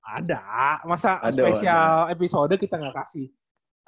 ada masa special episode kita gak kasih